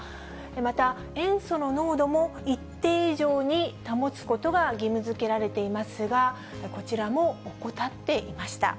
また、塩素の濃度も一定以上に保つことが義務づけられていますが、こちらも怠っていました。